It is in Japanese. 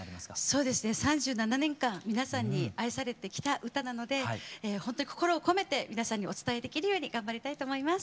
そうですね３７年間皆さんに愛されてきた歌なのでほんとに心を込めて皆さんにお伝えできるように頑張りたいと思います。